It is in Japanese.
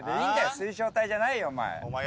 水晶体じゃないよお前。